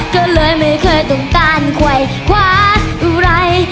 ก็เลยไม่เคยต้องการไขว้ขวาอะไร